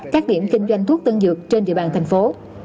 các điểm kinh doanh thuốc tân dược trên địa bàn thành phố